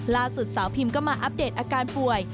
ล่าสุดสาวพิมก็มาอัปเดตอาการป่วย